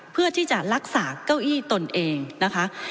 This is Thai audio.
เพื่อที่จะรักษาเก้าอี้ตนเองนะคะ